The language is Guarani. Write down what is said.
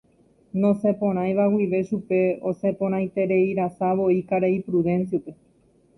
Nosẽporãiva guive chupe, osẽporãitereirasavoi karai Prudencio-pe.